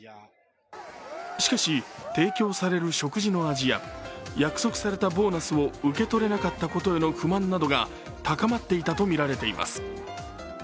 しかし、提供される食事の味や約束されたボーナスを受け取れなかったことへの不満が高まっていたとみられています。